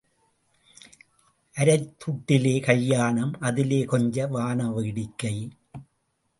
அரைத் துட்டிலே கல்யாணம் அதிலே கொஞ்சம் வாண வேடிக்கை.